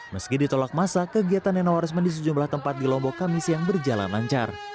meski ditolak masa kegiatan neno warisman di sejumlah tempat di lombok kamis yang berjalan lancar